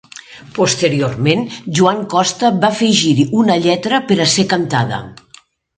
Posteriorment Joan Costa va afegir-hi una lletra per a ser cantada.